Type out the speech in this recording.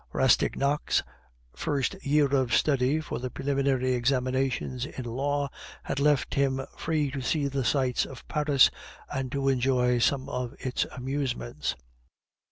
Rastignac's first year of study for the preliminary examinations in law had left him free to see the sights of Paris and to enjoy some of its amusements.